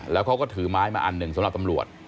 แล้วเขาก็ถือไม้มาอันนึงสำหรับปับหลวด